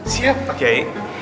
siap pak kayu